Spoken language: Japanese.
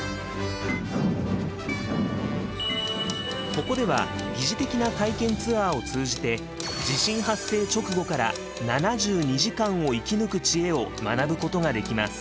ここでは擬似的な体験ツアーを通じて地震発生直後から７２時間を生き抜く知恵を学ぶことができます。